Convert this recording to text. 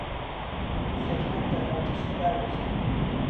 او خدمت در ارتش را برگزید.